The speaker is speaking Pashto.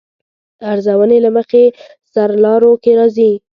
ارزونې له مخې سرلارو کې راځي.